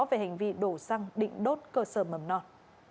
về hành vi đổ xăng định đốt cơ sở mầm non